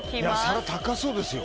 皿、高そうですよ。